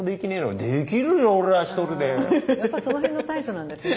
やっぱその辺の対処なんですね。